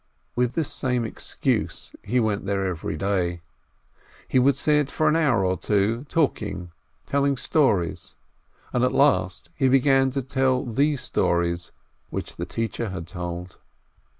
With this same excuse he went there every day. He would sit for an hour or two, talking, telling stories, and at last he began to tell the "stories" which the teacher had told.